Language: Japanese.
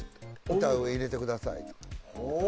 歌を入れてくださいとか。